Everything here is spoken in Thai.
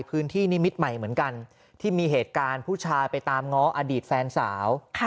นิมิตรใหม่เหมือนกันที่มีเหตุการณ์ผู้ชายไปตามง้ออดีตแฟนสาว